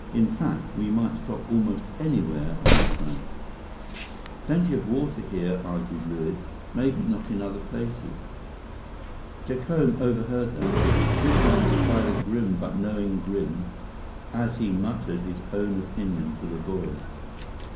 "In fact, we might stop almost anywhere on the trail." "Plenty of water here," argued Luiz. "Maybe not in other places." Jacome overheard that. The big man supplied a grim but knowing grin as he muttered his own opinion to the boys.